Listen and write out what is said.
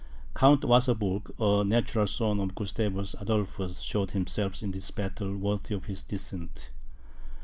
Count Wasaburg, a natural son of Gustavus Adolphus, showed himself in this battle worthy of his descent.